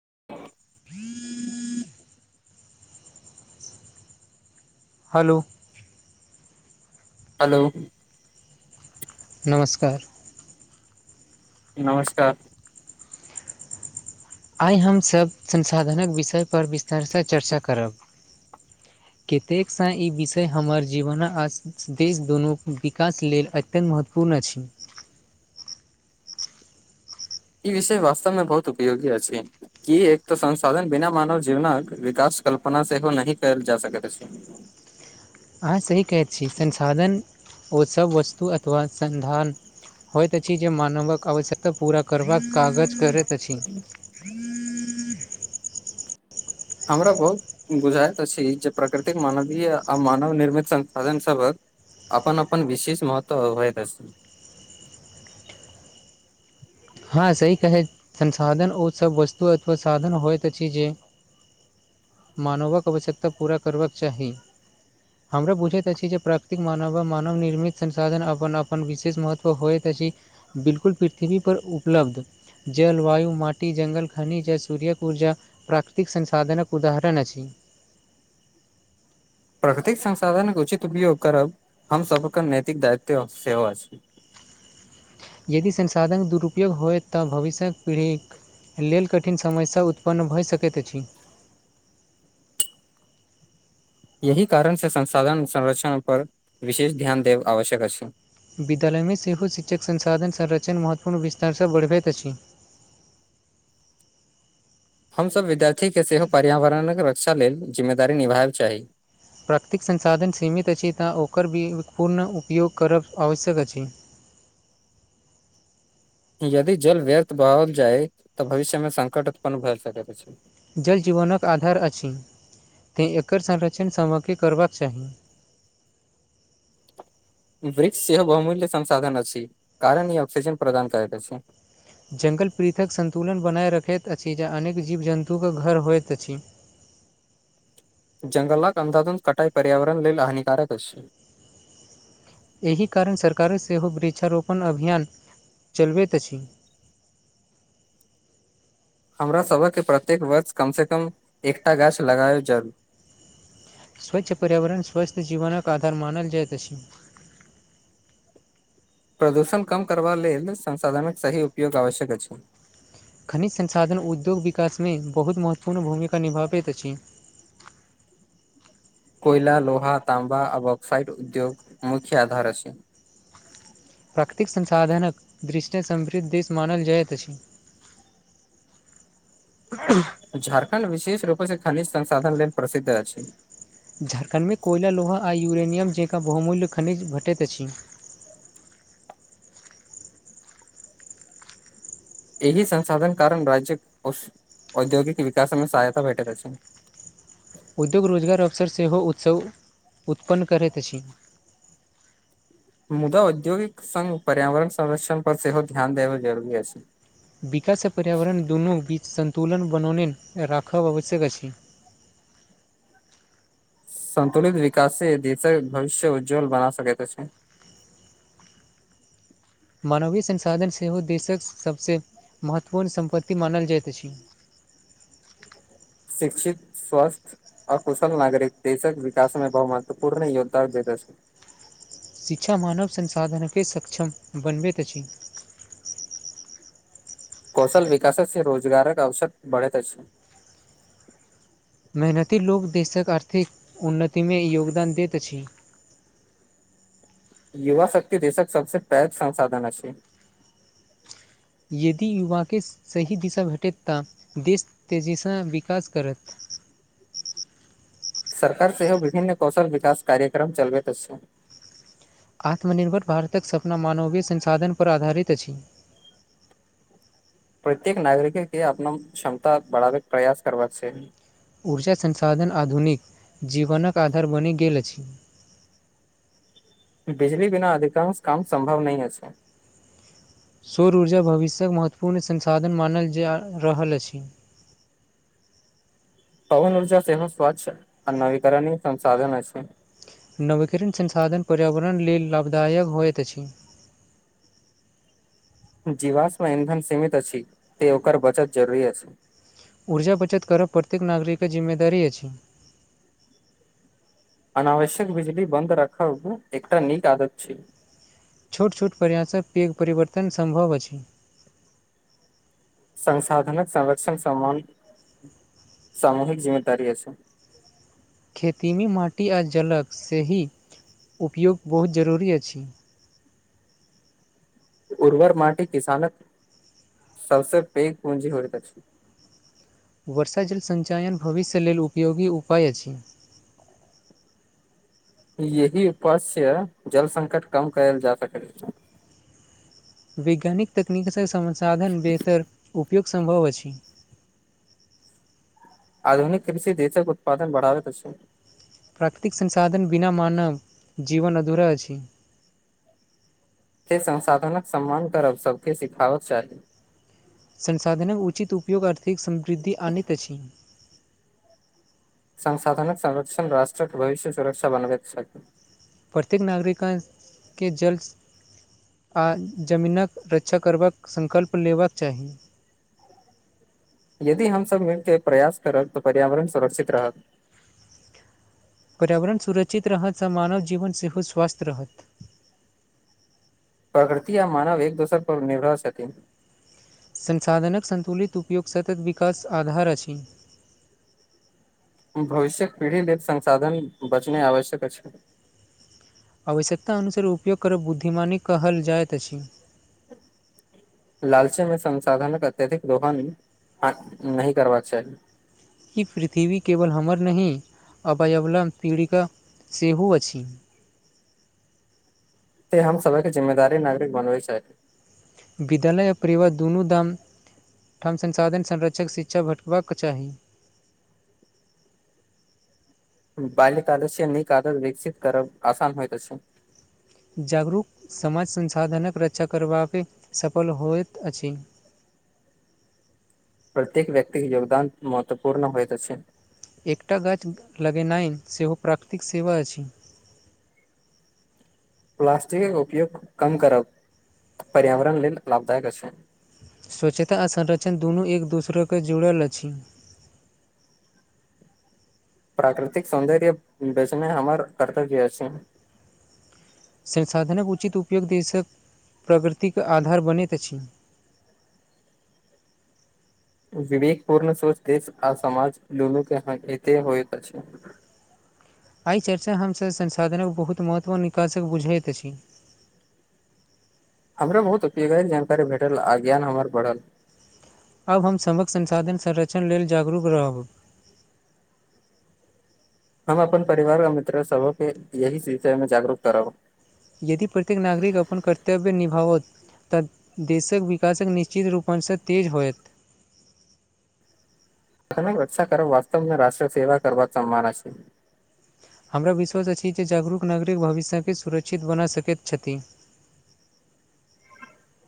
[inaudible] Hello hello नमस्कार नमस्कार आइ हमसभ संसाधनक विषय पर विस्तारसँ चर्चा करब। कतेकसँ ई विषय हमर जीवन आ देश दुनूक विकास लेल अछि। अत्यन्त महत्वपूर्ण अछि। ई विषय वास्तवमे बहुत उपयोगी अछि। की एक तऽ संसाधन बिना मानव जीवनक विकास कल्पना सेहो नहि कयल जा सकैत अछि। अहाँ सही कहैत छी संसाधन ओसभ वस्तु अथवा सन्धान होइत अछि जे मानवक आवश्यकता पूरा करबाक कागज करैत अछि। [inaudible] हमरा बहुत बुझायइत अछि जे प्राकृतिक मानवीय आ मानव निर्मित संसाधन सभक अपन अपन विशेष महत्व अबैत अछि। हँ सही कहैत संसाधन ओ सब वस्तु अथवा साधन होइत अछि जे मानवक आवश्यकता पूरा करबाक चाही। हमरा बुझैत अछि जे प्राकृतिक मानव आ मानव निर्मित संसाधन अपन अपन विशेष महत्व होयत अछि बिल्कुल पृथ्वी पर उपलब्ध जलवायु माटी जंगल खनिज सूर्यक ऊर्जा प्राकृतिक संसाधनक उदाहरण अछि। प्रकृतिक संसाधन के उचित उपयोग करब हम सबके नैतिक दायित्व सेहो अइछ यदि संसाधन के दुरुपयोग होय तऽ भविष्य्यक पीढ़ीके लेल कठिन समस्या उत्पन्न भऽ सकैत अइछ यही कारण से संसाधन संरक्षण पर विशेष ध्यान देब आवश्यक अइछ विद्यालयमें सेहो शिक्षक संसाधन संरक्षण महत्वपूर्ण विस्तारसँ बढ़बैत अछि हमसभ विद्यार्थीके सेहो पर्यावरणक रक्षा लेल जिम्मेदारी निभायै के चाही प्राकृतिक संसाधन सीमित अछि तऽ ओकर भी पूर्ण उपयोग करब आवश्यक अइछ यदि जल व्यर्थ बढ़ल जाय तऽ भविष्य में संकट उत्पन्न भए सकैत छय जल जीवनक आधार अछि तैँ एकर संरक्षण सबके करबाक चाही वृक्ष से बहुमूल्य संसाधन अछि कारण ई ऑकसिजन प्रदान करैत अइछ जंगल पीथक सन्तुलन बनाए रखैत अछि ज अनेक जीव जन्तुके घर होइत अइछ जगलक अंधातन कटाई पर्यरण लेल हानिकारक अ छै एहि कारण सरकारक सेहो वृक्षारोपण अभियान चलबैत अइछ हमरा सबके प्रत्येक वर्ष कमसँ कम एकटा गाछ लगाबब जरू स्वच्छ पर्यावरण स्वस्थ जीवनक आधार मानल जायत अछि प्रदूषण कम करबा लेल संसाधनके सही उपयोग आवश्यक अछि खनिज संसाधन उद्योग विकासमे बहुत महत्वपूर्ण भूमिका निभाबैत अइछ कोयला लोहा ताँबा आ बक्साइड उद्योग मुख्य आधार छय प्राकृतिक संसाधनक दृष्टि समृद्ध देश मानल जाइत अइछ झारखण्ड विशेष रूपे से खनिज संसाधन लेल प्रसिद्ध अइछ झारखण्ड में कोयला लोहा आ यूरेनियम जकाँ बहुल्य खनिज भेटैत अछि एहि संसाधन कारण राज्य औद्योगिक विकास में सहायता भेटैत अछि उद्योग रोजगार अवसर सेहो उत्सव उत्पन्न करैत अइछ मुदा औद्योगिक संघ पर्यावरण संरक्षण पर सेहो ध्यान देब जरुरी अछि छय विकास आ पर्यावरण दुनू बीच सन्तुलन बनौने राखब आवश्यक अइछ सन्तुलित विकास से देश भविष्य उज्ज्वल बना सक छय मानवीय संसाधन सेहो देशक सभसँ महत्वपूर्ण सम्पत्ति मानल जाइत अइछ शिक्षित स्वस्थ अकुशल नागरिक देशक विकासमे बहुमत्व पूर्ण योगदान दैत छय शिक्षा मानव संसाधनके सक्षम बनबैत अइछ कौशल विकास छै रोजगारक अबसर बढ़ैत छय मेहनती लोक देशक आर्थिक उन्नतिमे योगदान दैत अइछ युवा शक्ति देशक सबस पैघ संसाधन छय यदि युवा के सही दिशा भेटत ता देश तेजीसँ विकास करत सरकार सेहो विभिन्न कौशल विकास कार्यक्रम चलबैत छय आत्मनिर्भर भारतक सपना मानवीय संसाधनपर आधारित अइछ प्रत्येक नागरिक के अपना क्षमता बढ़ाबैके प्रयास करबाक चाही ऊर्जा संसाधन आधुनिक जीवनक आधार बनि गेल अइछ बिजली बिना अधिकांश काम संभव नहि छय सौर ऊर्जा भविष्यक महत्वपूर्ण संसाधन मानल जा रहल अइछ पहुन ऊर्जा सेहो स्वच्छ आ नवीकरण संसाधन छय नवीकरण संसाधन पर्यावरण लेल लाभदायक होइत अइछ जीवास्म ईंधन सीमित अछि ते ओकर बचत जरुररी अइछ ऊर्जा बचत करब प्रत्येक नागरिक के जिम्मेदारी अछि अनावश्यक बिजली बन्द राखब एकटा नीक आदत छय छोट छोट प्रयास स पेघ परिवर्तन संभवअछि संसाधन संरक्षण समान [unintelligible] सामूहिक जिम्मेदारी अछि खेतीमे माटि आ जलक सही उपयोग बहुत जरूरी अछि उर्वर माटी किसान क [unintelligible] सबस पैघ पूंजी होयत अछि वर्षा जल संचयन भविष्य लेल उपयोगी उपाय अछि ऐ ही उपाय स जल संकट कम कैल जा सकैत अछि वैज्ञानिक तकनीक सँ संसाधन बेहतर उपयोग सम्भव अछि आधुनिक कृषि देशक उत्पादन बढ़ावैत अछि प्राकृतिक संसाधन बिना मानब जीवन अधूरा अछि से संसाधनक सम्मान करब सबके सिखाबक चाही संसाधनक उचित उपयोग आर्थिक समृद्धि आनित अछि संसाधन संरक्षण राष्ट्र के भविष्य सुरक्षा बन बैक छन प्रत्येक नागरिक क जल आ जमीनक रक्षा करबाक सकल्प लेबाक चाही यदि हमसब मिलके प्रयास करब तऽ पर्यावरण सुरक्षित रहत पर्यावरण सुरक्षित रहत आ मानव जीवन सेहो स्वस्थ रहत प्रकृति आ मानव एक दोसर पर निर्भर छथिन संसाधनक सन्तुलित उपयोग सतत विकास आधार अछि भविष्यक पीढ़ी लेल संसाधन बचनाए आवश्यक अछि आवश्यकता अनुसार उपयोग करब बुद्धिमानी कहल जाइत अछि लालचे में संसाधने अत्यधिक दोहन नहि करबाक चाही ई पृथ्वी केवल हमर नहि अबयवला पीढ़ी क सेहो अछि ते हम सबे के जिम्मेदारी नागरिक बनबै चाहि विद्यालय आओ परिवार दुनू दाम ठाम संसाधन संरक्षक शिक्षा भटकबाक चाहि बाल्यकदस नीक आदत विकसित करब आसान होइत अछि जागरूक समाज संसाधन क रक्षा करबाक सफल होयत अछि प्रत्येक व्यक्ति के योगदान महत्वपूर्ण होयत अछि एकटा गाछ लगेनाई सेहो प्राकृतिक सेवा अछि प्लास्टिक उपयोग कम करब पर्यावरण लेल लाभदायक अछि स्वच्छता आ संरक्षण दुनू एक दोसराके जुड़ल अछि प्राकृतिक सौन्दर्य बेचना हमर कर्तग अछि संसाधनक उचित उपयोग देशक प्रगति क आधार बनैत अछि विवेक पूर्ण सोच देश आ समाज लोग के हाथे होइत अछि एहि चर्चा हमसभ संसाधनके बहुत महत्वपूर्ण निष्कर्ष बुझैत अछि हमरा बहुत उपयोग जानकारी भेटल आ ज्ञान हमर बढ़ल आब हम सभक संसाधन संरक्षण लेल जागरूक रहब हम अपन परिवार आ मित्र सब के यही विषय में जागरूक करब यदि प्रत्येक नागरिक अपन कर्तव्य निभावत तऽ देशक विकासके निश्चित रूपणसँ तेज होएत तने रक्षा करब वास्तवमे रष्ट्र सेव कर सम्मान अछि हमरा विश्वास अछि जे जागरूक नागरिक भविष्यके सुरक्षित बना सकैत छथि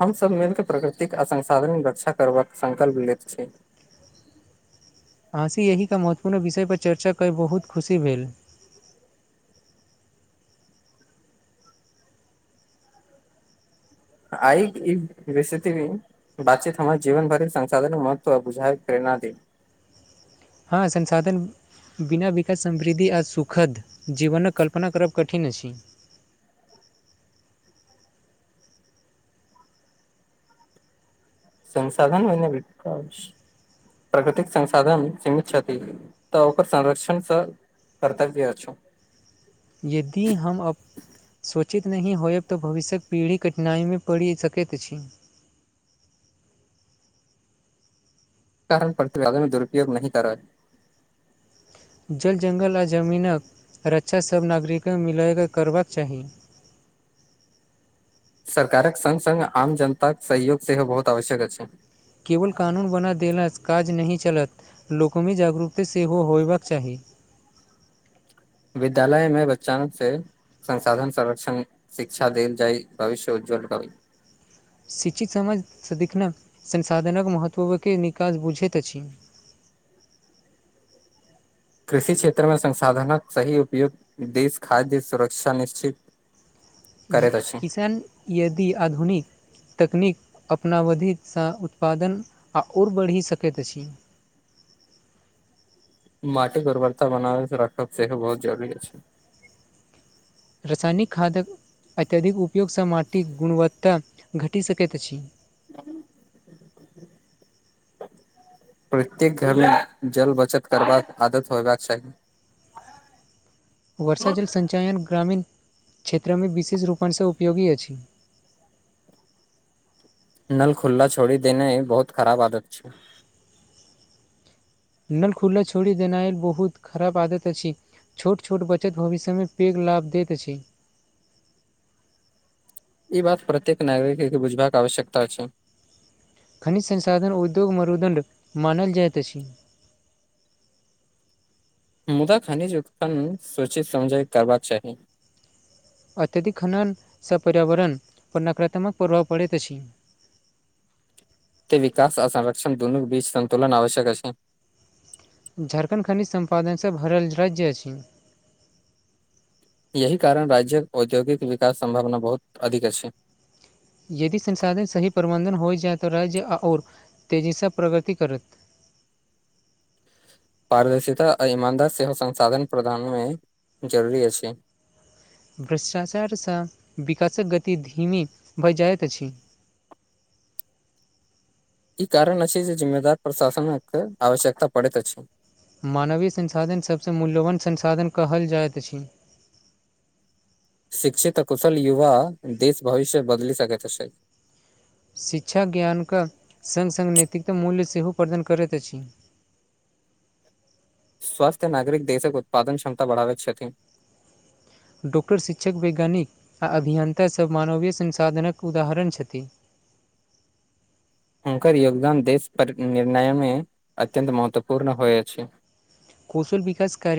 हमसभ मिलके प्रकृतिक आ संसाधन रक्षा करबाक संकल्प लेैत छी आहाँ सी एहिके महत्वपूर्ण विषय पर चर्चा कर बहुत खुशी भेल आइ ई बेसति [unintelligible] बातचीत हमर जीवन भर संसाधन महत्व बुझाय प्रेरणा दे हँ संसाधन बिना विकास समृद्धि आ सुखद जीवनक कल्पना करब कठिन अछि संसाधन होइ प्रकृतिक संसाधन सीमित छथि तऽ ओकर संरक्षणस कर्तव्य अछ यदि हम अब सोचित नहि होयब त भविष्यक पीढ़ी कठिनाइ में पड़ि सकैत अछि कारण प्रतिवादन मे दुरूपयग नहि कर रहै जल जंगल आ जमीनक रक्षा सभ नागरिक के मिलयके करबाक चाही सरकारक संग संग आम जनता के सहयोग सेहो बहुत आवश्यक अछि केवल कानून बना देला सँ काज नहि चलत लोको मे जागरूकता सेहो होयबाक चाही विद्यालय में बच्चानक से संसाधन संरक्षण शिक्षा देल जाय भविष्य उज्ज्वल त शिक्षित समाज सदिखने संसाधनक महत्व के निकास बुझैत अछि कृषि क्षेत्र में संसाधनक सही उपयोग देश खाद्य सुरक्षा निश्चित करैत अछि किसान यदि आधुनिक तकनीक अपनावधिसँ उत्पादन ओर बढ़ि सकैत अछि माटि के उर्वरता बनाबे राखब सेहो बहुत जरुरी अछि रासायनिक खादक अत्यधिक उपयोगसँ माटिक गुणवत्ता घटि सकैत अछि [inaudible] प्रत्येक घरमे जल बचत करबाक आदत होयबाक चाही वर्षा जल संचयन ग्रामीण क्षेत्रमे विशेष रूपणसँ उपयोगी अछि नल खुल्ला छोड़ी देनाए बहुत खराब आदत छै नल खुल्ला छोड़ी देनाय बहुत खराब आदत अछि छोट छोट बचत भविष्य मे पैघ लाभ दैत अछि ई बात प्रत्येक नागरिक के बुझबाक आवश्यकता छै खनिज संसाधन उद्योग मरुदण्ड मानल जाइत अछि मुदा खनिज उत्पन्न सोचित समझय करबाक चाही अत्यधिक खनन सँ पर्यावरण पर नकारात्मक प्रभाव पड़ैत अछि त विकास आ संरक्षण दुनू बीच संतुलन आवश्यक अछि झारखण्ड खनिज सम्पादन सँ भरल राज्य अछि यही कारण राज्यक औद्योगिक विकास सम्भावना बहुत अधिक अछि यदि संसाधन सही प्रबन्धन होइ जाय त राज्य ओर तेजी सँ प्रगति करत पारदर्शिता आ ईमानदार सेहो संसाधन प्रदान मे जरूरी अछि भ्रष्टाचारसँ विकासक गति धीमी भ जाइत अछि ई कारण अछि जे जिम्मेदार प्रशासन आवश्यकता पड़ैत अछि मानवीय संसाधन सभसँ मूल्यवान संसाधन कहल जाइत अछि शिक्षित कुशल युवा देश भविष्य बदलि सकैत अछ शिक्षा ज्ञान के संग संग नैतिक मूल्य सेहो प्रदान करैत अछि स्वास्थ्य नागरिक देशक उत्पादन क्षमता बढ़ावै छथि डॉक्टर शिक्षक वैज्ञानिक आ अभियन्ता सभ मानवीय संसाधनक उदाहरण छथि हुनकर योगदान देश पर निर्णय मे अत्यन्त महत्वपूर्ण होइ अछि कौशल विकास कार्य